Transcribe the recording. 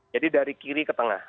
jadi dari kiri ke tengah